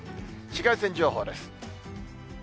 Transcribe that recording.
紫外線情報です。